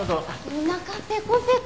おなかペコペコ。